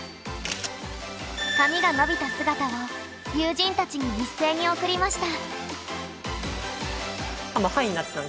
髪が伸びた姿を友人たちに一斉に送りました。